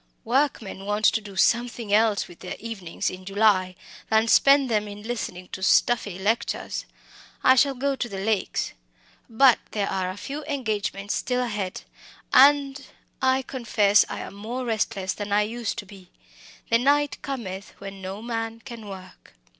Workmen want to do something else with their evenings in July than spend them in listening to stuffy lectures. I shall go to the Lakes. But there are a few engagements still ahead, and I confess I am more restless than I used to be. The night cometh when no man can work."